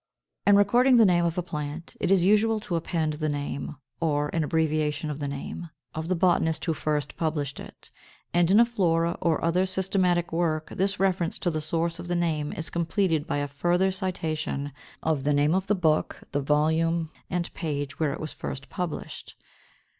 539. In recording the name of a plant it is usual to append the name, or an abbreviation of the name, of the botanist who first published it; and in a flora or other systematic work, this reference to the source of the name is completed by a further citation of the name of the book, the volume and page where it was first published.